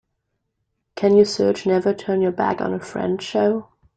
Can you search Never Turn Your Back on a Friend show?